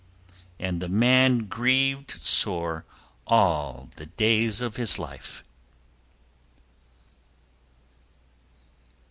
And the man grieved sore all the days of his life.